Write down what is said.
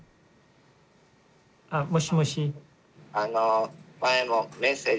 あもしもし。